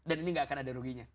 dan ini gak akan ada ruginya